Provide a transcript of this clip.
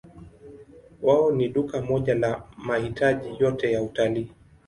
Wao ni duka moja la mahitaji yote ya utalii.